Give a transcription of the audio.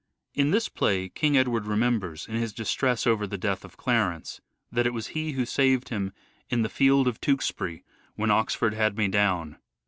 In this play King Edward remembers, in his distress over the death of Clarence, that it was he who saved him " in the field of Tewkesbury, when Oxford had me down."